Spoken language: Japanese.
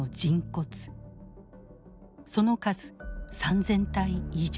その数３，０００体以上。